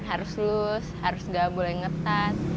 harus lus harus nggak boleh ngetat